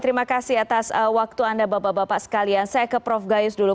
terima kasih atas waktu anda bapak bapak sekalian saya ke prof gayus dulu